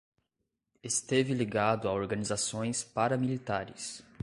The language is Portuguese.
Esteve ligado a organizações paramilitares